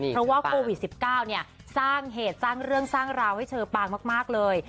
เพราะว่าโควิด๑๙สร้างเหตุสร้างเรื่องสร้างราวให้เธอปางมากเลย